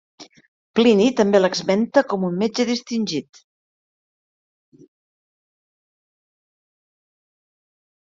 Plini també l'esmenta com a metge distingit.